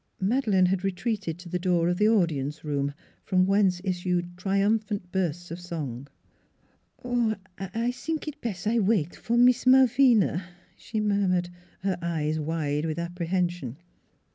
Madeleine had retreated to the door of the audience room, from whence issued triumphant bursts of song. 272 NEIGHBORS " Oh, I sink I bes' wait for Mees Malvina," she murmured, her eyes wide with apprehension.